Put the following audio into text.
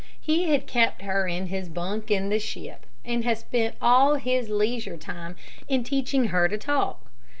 He had kept her in his bunk in the ship, and had spent all his leisure time in teaching her to talk.